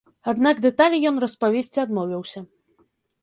Аднак дэталі ён распавесці адмовіўся.